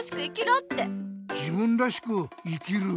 自分らしく生きる？